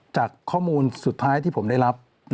จากข้อมูลสุดท้ายที่ผมได้รับ